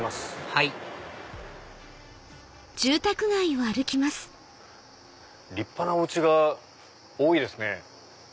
はい立派なおうちが多いですね。